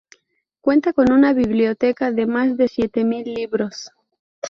Cuenta con una biblioteca de más de siete mil libros.